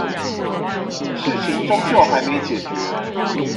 事情終究還沒解決